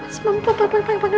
mas lumpur pak pak pak pak